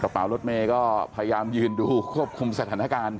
กระเป๋ารถเมย์ก็พยายามยืนดูควบคุมสถานการณ์